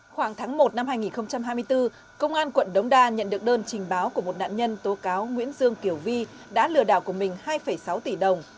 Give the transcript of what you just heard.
khoảng tháng một năm hai nghìn hai mươi bốn công an quận đống đa nhận được đơn trình báo của một nạn nhân tố cáo nguyễn dương kiều vi đã lừa đảo của mình hai sáu tỷ đồng